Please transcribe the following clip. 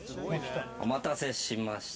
お待たせしました。